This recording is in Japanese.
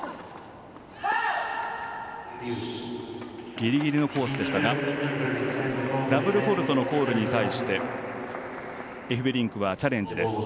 ギリギリのコースでしたがダブルフォールトのコールに対してエフベリンクはチャレンジです。